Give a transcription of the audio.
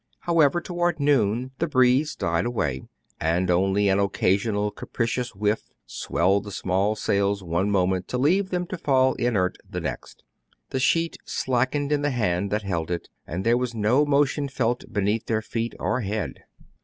However, towards noon the breeze died away ; and only an occasional capricious whiff swelled the small sails one moment, to leave them to fall inert the next. The sheet slackened in the hand that held it, and there was no motion felt beneath their feet or head.